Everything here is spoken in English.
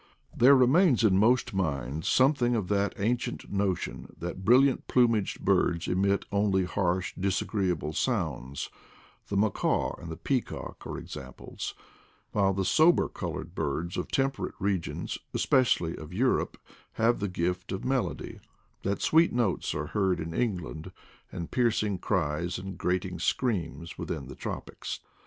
There remains in most minds something of that ancient notion that brilliant plumaged birds emit only harsh disagree able sounds — the macaw and the peacock are ex amples; while the sober colored birds of temper ate regions, especially of Europe, have the gift of melody; that sweet notes are heard in England, and piercing cries and grating screams within the tropics.